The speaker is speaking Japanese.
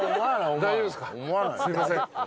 すいません。